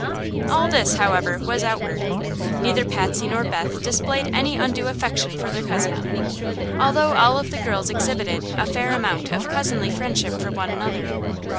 All this, however, was outward. Neither Patsy nor Beth displayed any undue affection for their cousin, although all of the girls exhibited a fair amount of cousinly friendship for one another.